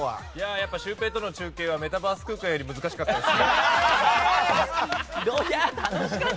やっぱりシュウペイとの中継はメタバース空間より難しかったです。